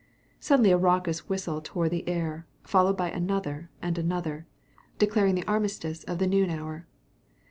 Suddenly a raucous whistle tore the air, followed by another and another, declaring the armistice of the noon hour.